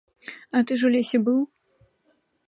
А ты ж у лесе быў?